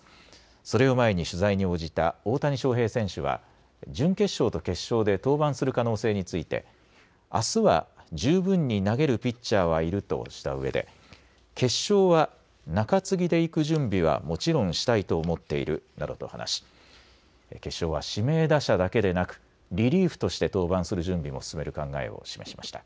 それを前に取材に応じた大谷翔平選手は準決勝と決勝で登板する可能性についてあすは十分に投げるピッチャーはいるとしたうえで決勝は中継ぎで行く準備はもちろんしたいと思っているなどと話し決勝は指名打者だけでなくリリーフとして登板する準備も進める考えを示しました。